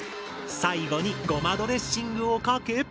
最後にごまドレッシングをかけ。